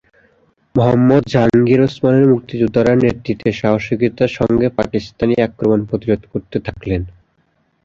মোহাম্মদ জাহাঙ্গীর ওসমানের মুক্তিযোদ্ধারা নেতৃত্বে সাহসিকতার সঙ্গে পাকিস্তানি আক্রমণ প্রতিরোধ করতে থাকলেন।